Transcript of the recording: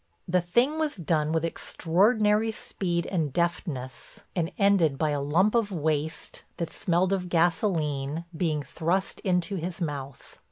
The thing was done with extraordinary speed and deftness, and ended by a lump of waste, that smelled of gasoline, being thrust into his mouth.